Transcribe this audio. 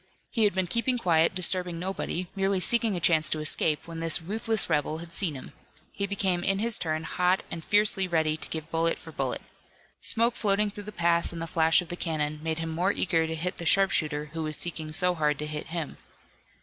He had been keeping quiet, disturbing nobody, merely seeking a chance to escape, when this ruthless rebel had seen him. He became in his turn hot and fiercely ready to give bullet for bullet. Smoke floating through the pass and the flash of the cannon, made him more eager to hit the sharpshooter who was seeking so hard to hit him.